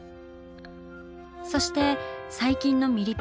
そして最近のミリペン。